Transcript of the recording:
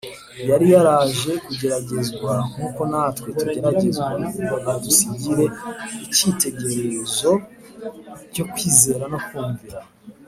Yari yaraje kugeragezwa nk’uko natwe tugeragezwa, ngo adusigire icyitegererezo cyo kwizera no kumvira.